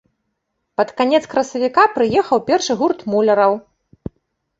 Пад канец красавіка прыехаў першы гурт муляраў.